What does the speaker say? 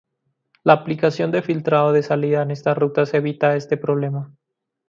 La aplicación de filtrado de salida en estas rutas evita este problema.